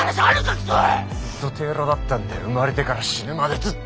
ずっと平らだったんだ生まれてから死ぬまでずっと。